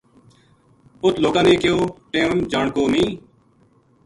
اُت لوکاں نے کہیو ٹیم جان کو نیہہ اِ